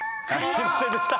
すいませんでした。